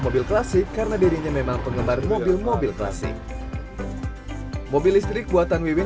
mobil klasik karena dirinya memang penggemar mobil mobil klasik mobil listrik buatan wiwin